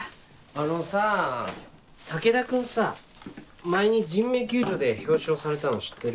あのさ武田君さ前に人命救助で表彰されたの知ってる？